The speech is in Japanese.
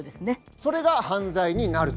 それが犯罪になると。